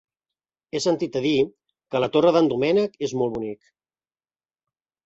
He sentit a dir que la Torre d'en Doménec és molt bonic.